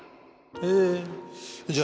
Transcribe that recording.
へえじゃ